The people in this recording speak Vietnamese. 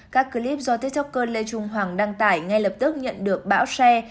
các clip do tiktoker lê trung hoàng đăng tải ngay lập tức nhận được bão xe